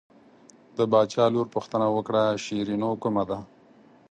د باچا لور پوښتنه وکړه شیرینو کومه ده.